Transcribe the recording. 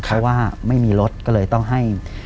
เพราะว่าไม่มีรถก็เลยต้องให้